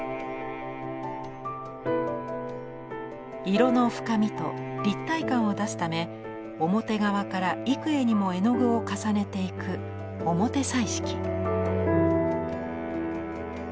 色の深みと立体感を出すため表側から幾重にも絵の具を重ねていく表彩色。